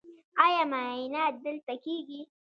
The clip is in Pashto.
ایا معاینات دلته کیږي؟